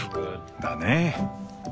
だね。